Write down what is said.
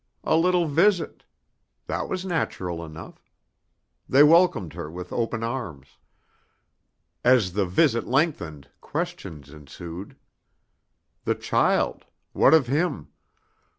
A little visit! That was natural enough. They welcomed her with open arms. As the visit lengthened, questions ensued. The child. What of him.